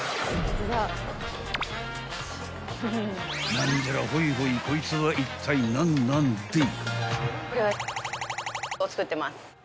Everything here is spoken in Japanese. ［何じゃらほいほいこいつはいったい何なんでい］